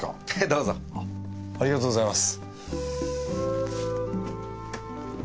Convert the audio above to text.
ありがとうございます。